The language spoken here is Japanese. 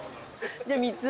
じゃあ３つ？